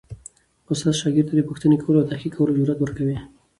استاد شاګرد ته د پوښتنې کولو او تحقیق کولو جرئت ورکوي.